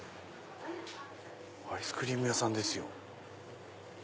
アイスクリーム屋さんですよ。